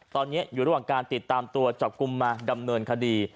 ตอนนี้อยู่ระหว่างการติดตามตัวจับกลุ่มมาดำเนินคดี